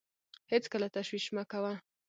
هېڅکله تشویش مه کوه .